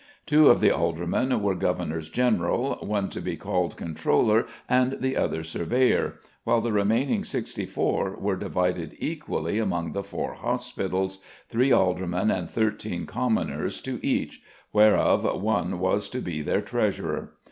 Two of the aldermen were "governors general," one to be called controller and the other surveyor, while the remaining sixty four were divided equally among the four hospitals, three aldermen and thirteen commoners to each, whereof one was to be their treasurer.